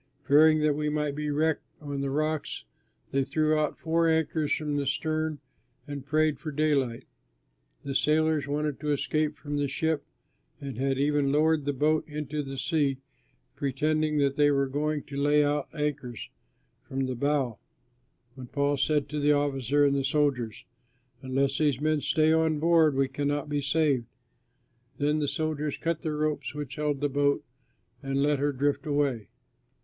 Fearing that we might be wrecked on the rocks, they threw out four anchors from the stern and prayed for daylight. The sailors wanted to escape from the ship and had even lowered the boat into the sea, pretending that they were going to lay out anchors from the bow, when Paul said to the officer and to the soldiers, "Unless these men stay on board, we cannot be saved." Then the soldiers cut the ropes which held the boat and let her drift away.